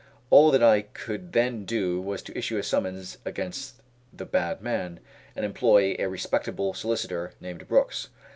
All that I could then do was to issue a summons against the bad man, and employ a respectable solicitor named Brooks.